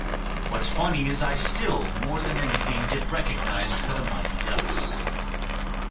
"What's funny is I still, more than anything, get recognized for "The Mighty Ducks".